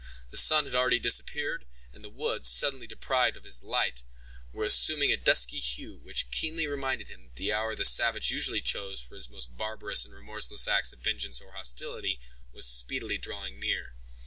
The sun had already disappeared, and the woods, suddenly deprived of his light, were assuming a dusky hue, which keenly reminded him that the hour the savage usually chose for his most barbarous and remorseless acts of vengeance or hostility, was speedily drawing near.